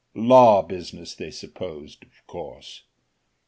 Law business they supposed, of course.